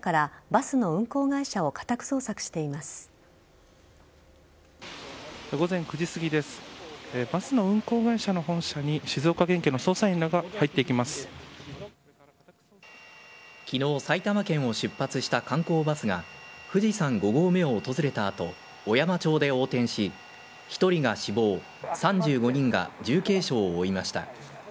バスの運行会社の本社に静岡県警の捜査員らが昨日埼玉県を出発した観光バスが富士山五合目を訪れた後小山町で横転し１人が死亡３５人が重軽傷を負いました。